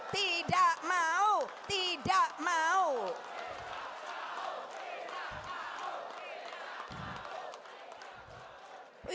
tidak mau tidak mau tidak mau